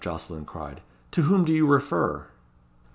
Jocelyn cried. "To whom do you refer?"